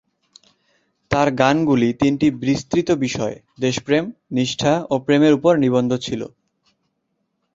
তার গানগুলি তিনটি বিস্তৃত বিষয়-দেশপ্রেম, নিষ্ঠা ও প্রেমের উপর নিবদ্ধ ছিল।